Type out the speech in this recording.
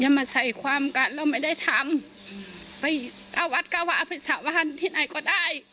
ยังมาใส่ความการเราไม่ได้ทำอืมไปเอาวัดกาวะไปสาวฮันที่ไหนก็ได้